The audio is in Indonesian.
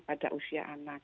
pada usia anak